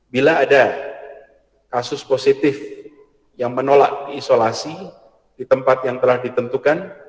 bila ada kasus positif yang menolak diisolasi di tempat yang telah ditentukan